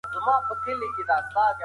اګوست کنت لومړی ځل دا ویش ترسره کړ.